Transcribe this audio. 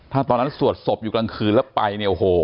ถ้าตอนนั้นสวดศพอยู่กลางคืนแล้วไปเนี่ยโอ้โห